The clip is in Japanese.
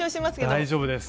大丈夫です。